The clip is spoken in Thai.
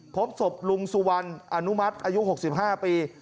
พบศพลุงสุวรรณอนุมัติอายุ๖๕ปี